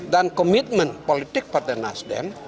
dan commitment politik partai nasjem